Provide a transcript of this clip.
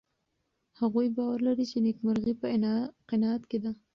هغوی باور لري چې نېکمرغي په قناعت کې ده.